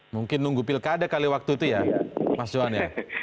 mungkin nunggu pilkada kali waktu itu ya mas johan ya